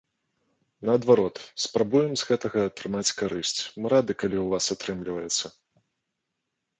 Наадварот, спрабуем з гэтага атрымаць карысць, мы рады, калі ў вас атрымліваецца.